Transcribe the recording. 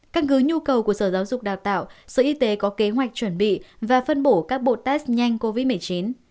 căn cứ nhu cầu của sở giáo dục đào tạo sở y tế có kế hoạch chuẩn bị và phân bổ các bộ test nhanh covid một mươi chín